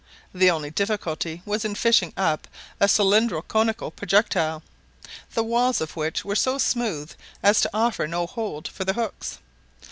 The only difficulty was in fishing up a cylindro conical projectile, the walls of which were so smooth as to offer no hold for the hooks.